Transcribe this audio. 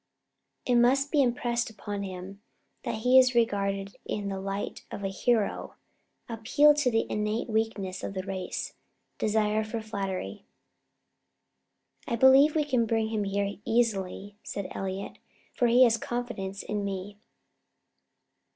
It must be impressed upon him that he is regarded in the light of a hero: appeal to the innate weakness of the race desire for flattery." "I believe we can bring him here easily," said Elliott, "for he has confidence in me."